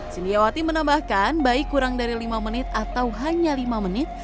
sindiawati menambahkan baik kurang dari lima menit atau hanya lima menit